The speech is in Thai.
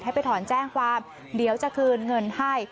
ไปถอนแจ้งความเดี๋ยวจะคืนเงินให้